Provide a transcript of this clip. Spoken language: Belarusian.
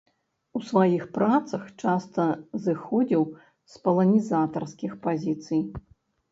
У сваіх працах часта зыходзіў з паланізатарскіх пазіцый.